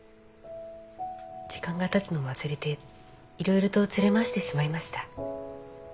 時間がたつのも忘れて色々と連れ回してしまいました。